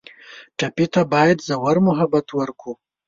ټپي ته باید ژور محبت ورکړو.